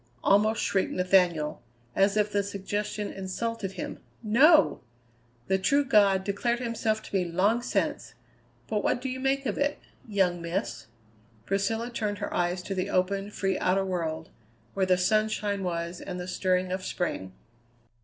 almost shrieked Nathaniel, as if the suggestion insulted him; "no! The true God declared himself to me long since. But what do you make of it, young Miss?" Priscilla turned her eyes to the open, free outer world, where the sunshine was and the stirring of spring.